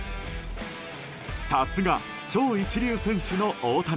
さすが超一流選手の大谷。